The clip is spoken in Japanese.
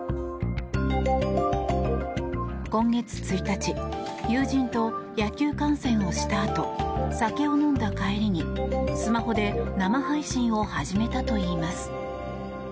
今月１日友人と野球観戦をしたあと酒を飲んだ帰りに、スマホで生配信を始めたといいます。